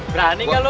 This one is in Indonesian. berani nggak lu